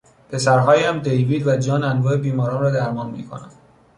پسرهایم دیوید و جان انواع بیماران را درمان میکنند.